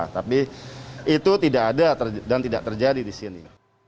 tapi itu tidak ada dan tidak terjadi disini